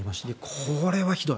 これはひどい。